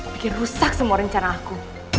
bikin rusak semua rencana aku